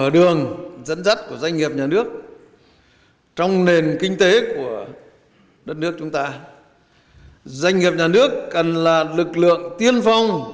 doanh nghiệp nhà nước cần là lực lượng tiên phong